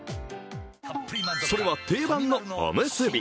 それは定番のおむすび。